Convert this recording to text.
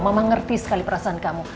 mama ngerti sekali perasaan kamu